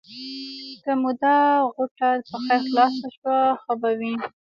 که مو دا غوټه په خیر خلاصه شوه؛ ښه به وي.